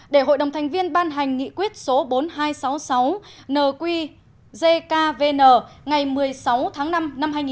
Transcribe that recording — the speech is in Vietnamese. để hội đồng thành viên ban hành nghị quyết số bốn nghìn hai trăm sáu mươi sáu nqjkvn ngày một mươi sáu tháng năm năm hai nghìn chín